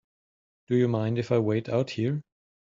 Do you mind if I wait out here?